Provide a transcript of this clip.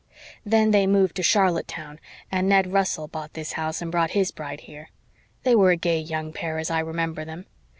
Then they moved to Charlottetown, and Ned Russell bought this house and brought his bride here. They were a gay young pair, as I remember them.